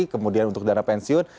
kemudian untuk dana pensiun